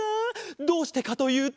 どうしてかというと。